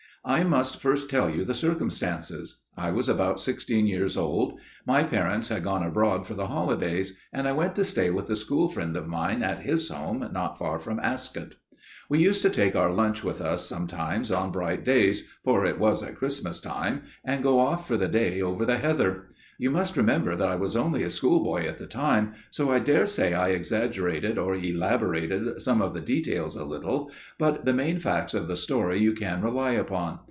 "I must first tell you the circumstances. I was about sixteen years old. My parents had gone abroad for the holidays, and I went to stay with a school friend of mine at his home not far from Ascot. We used to take our lunch with us sometimes on bright days––for it was at Christmas time––and go off for the day over the heather. You must remember that I was only a schoolboy at the time, so I daresay I exaggerated or elaborated some of the details a little, but the main facts of the story you can rely upon.